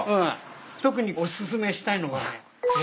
特にお薦めしたいのがね。